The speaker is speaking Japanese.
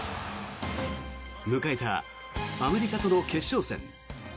迎えたアメリカとの決勝戦。